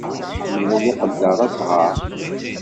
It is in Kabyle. Iḥemmel ad iqedder asɣar.